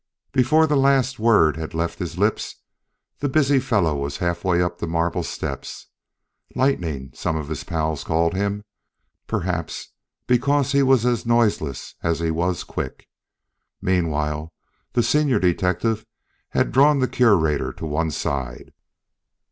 Before the last word had left his lips, the busy fellow was halfway up the marble steps. "Lightning," some of his pals called him, perhaps because he was as noiseless as he was quick. Meanwhile the senior detective had drawn the Curator to one side.